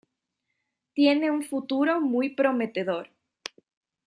Tiene un futuro muy prometedor.